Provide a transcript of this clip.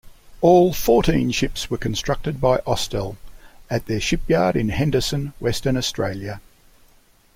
All fourteen ships were constructed by Austal at their shipyard in Henderson, Western Australia.